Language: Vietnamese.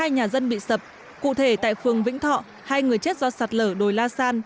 hai nhà dân bị sập cụ thể tại phường vĩnh thọ hai người chết do sạt lở đồi la san